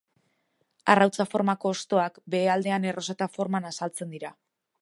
Arrautza-formako hostoak, behealdean erroseta-forman azaltzen dira.